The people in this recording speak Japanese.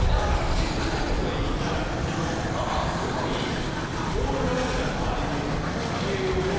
結構しゃべる人がいたら引いておこうかなみたいなすごいオールラウンダーで周りが見えてらっしゃる。